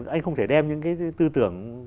anh không thể đem những cái tư tưởng